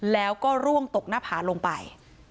แล้วก็ร่วงตกหน้าผาลงไป